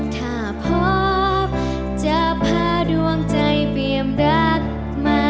ถ้าพบจะพาดวงใจเปรียมรักมา